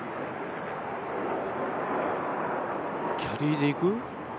キャリーでいく？